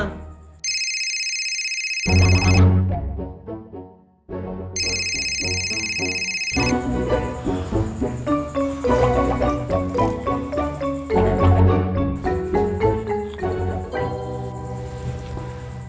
keluarga itu yang utama